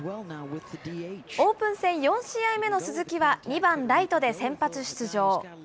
オープン戦４試合目の鈴木は２番ライトで先発出場。